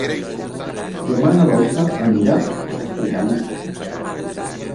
Demà na Dolça anirà a Castellgalí.